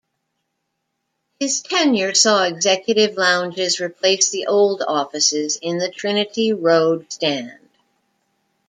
His tenure saw executive lounges replace the old offices in the Trinity Road Stand.